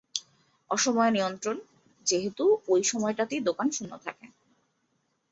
অসময়ে নিমন্ত্রণ, যেহেতু ঐ সময়টাতেই দোকান শূন্য থাকে।